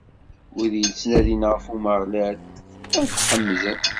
Wid yettnadin ɣef Umeɣlal, ad t-ḥemden.